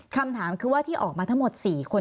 คำถามคือว่าที่ออกมาทั้งหมด๔คน